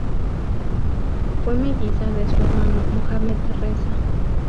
Fue melliza de su hermano Mohammad Reza.